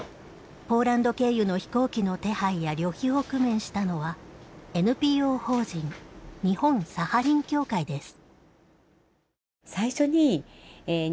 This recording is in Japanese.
ポーランド経由の飛行機の手配や旅費を工面したのはＮＰＯ法人日本サハリン協会です。